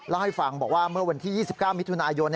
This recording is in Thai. เล่าให้ฟังบอกว่าเมื่อวันที่๒๙มิถุนายน